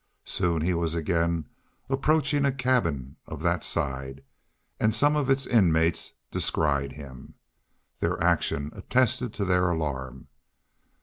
Soon he was again approaching a cabin of that side, and some of its inmates descried him, Their actions attested to their alarm.